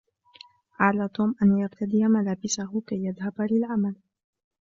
على توم أن يرتدي ملابسه كي يذهب للعمل.